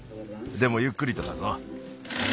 でもゆっくりとだぞ。